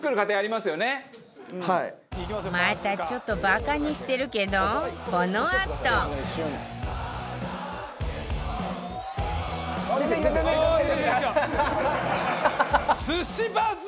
またちょっとバカにしてるけどこのあとハハハハ！